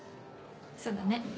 そうだね。